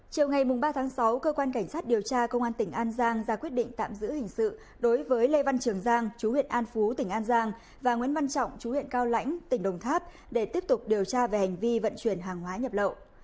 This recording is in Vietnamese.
chiều ngày ba sáu cơ quan cảnh sát điều tra công an tỉnh an giang ra quyết định tạm giữ hình sự đối với lê văn trường giang chú huyện an phú tỉnh an giang và nguyễn văn trọng chú huyện cao lãnh tỉnh đồng tháp để tiếp tục điều tra về hành vi vận chuyển hàng hóa nhập lậu